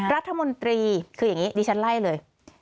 รัฐมนตรีคืออย่างนี้ดิฉันไล่เลย